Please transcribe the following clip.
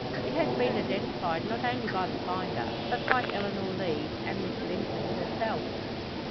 It has been identified not only by the finder, but by Eleanor Lees and Miss Linton herself.